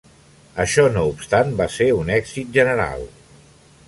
Això no obstant, va ser un èxit general.